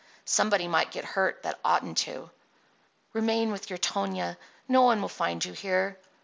Somebody might get hurt that oughtn't to." "Remain with your Tonia; no one will find you here."